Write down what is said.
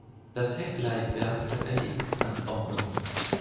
Das Heckleitwerk hat ein X-Anordnung.